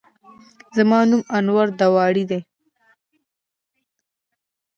زما نوم انور داوړ دی